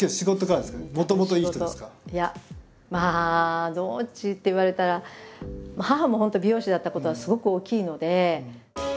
まあどっちって言われたら母も本当美容師だったことはすごく大きいので。